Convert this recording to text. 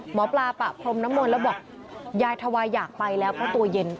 หมอปลาปะพรมน้ำมนต์แล้วบอกยายทวายอยากไปแล้วเพราะตัวเย็น